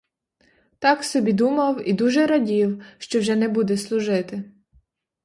Так собі думав і дуже радів, що вже не буде служити.